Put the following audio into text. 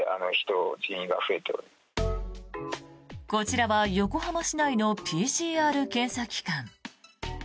こちらは横浜市内のＰＣＲ検査機関。